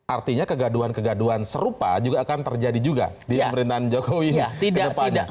artinya kegaduan kegaduan serupa juga akan terjadi juga di pemerintahan jokowi kedepannya